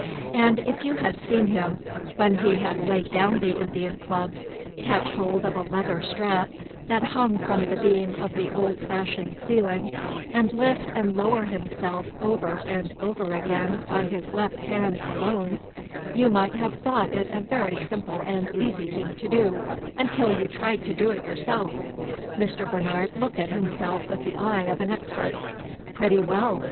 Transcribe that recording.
And if you had seen him, when he had laid down the Indian clubs, catch hold of a leather strap that hung from the beam of the old fashioned ceiling, and lift and lower himself over and over again by his left hand alone, you might have thought it a very simple and easy thing to do, until you tried to do it yourself. Mr. Bernard looked at himself with the eye of an expert. "Pretty well!"